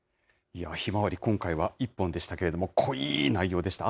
いや、ひまわり今回は、１本でしたけれども、濃いい内容でした。